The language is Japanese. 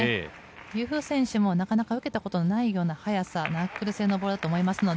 ユー・フー選手もなかなか打てたことのないような速さ、ナックル性のボールだと思います。